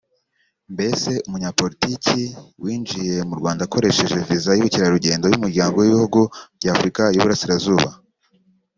Mbese umunyapolitiki winjiye mu Rwanda akoresheje visa y’ubukerarugendo y’umuryango w’ibihugu by’ Afrika y’iburasirazuba